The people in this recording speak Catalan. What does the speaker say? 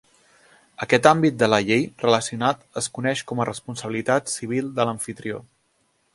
Aquest àmbit de la llei relacionat es coneix com a responsabilitat civil de l'amfitrió.